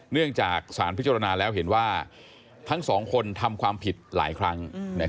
เนื่องจากสารพิจารณาแล้วเห็นว่าทั้งสองคนทำความผิดหลายครั้ง